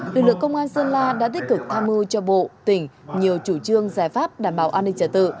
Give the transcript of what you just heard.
lực lượng công an sơn la đã tích cực tham mưu cho bộ tỉnh nhiều chủ trương giải pháp đảm bảo an ninh trả tự